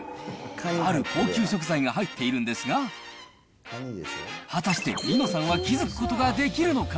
ある高級食材が入っているんですが、果たして梨乃さんは気付くことができるのか。